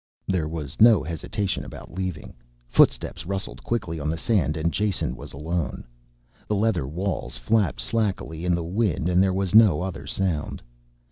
There was no hesitation about leaving, footsteps rustled quickly on the sand and Jason was alone. The leather walls flapped slackly in the wind and there was no other sound.